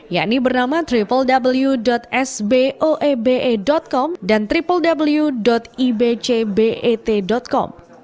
yakni bernama www sboebe com dan www ibcbet com